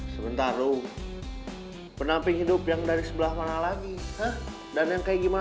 sebentar penamping hidup yang dari sebelah mana lagi dan yang kayak gimana